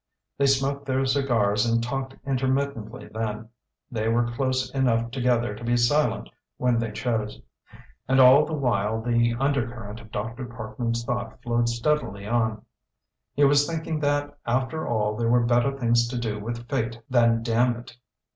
They smoked their cigars and talked intermittently then; they were close enough together to be silent when they chose. And all the while the undercurrent of Dr. Parkman's thought flowed steadily on. He was thinking that after all there were better things to do with fate than damn it.